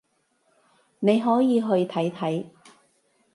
你可以去睇睇